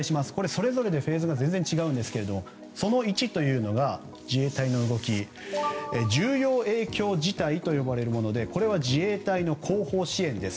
それぞれでフェーズが全然違うんですがその１というのが自衛隊の動き重要影響事態と言われるものでこれは自衛隊の後方支援です。